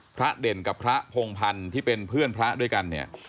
เด่นกับพระพงพันธ์ที่เป็นเพื่อนพระด้วยกันเนี่ย